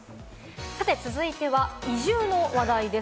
続いて移住の話題です。